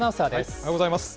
おはようございます。